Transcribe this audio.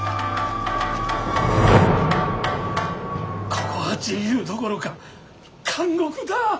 ここは自由どころか監獄だ。